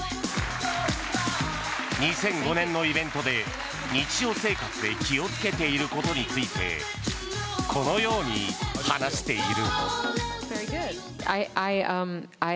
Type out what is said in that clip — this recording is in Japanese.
２００５年のイベントで日常生活で気をつけていることについてこのように話している。